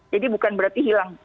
jadi bukan berarti hilang